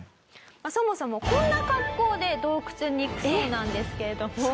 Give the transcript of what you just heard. そもそもこんな格好で洞窟に行くそうなんですけれども。